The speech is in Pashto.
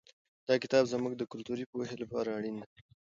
دا کتاب زموږ د کلتوري پوهې لپاره اړین دی.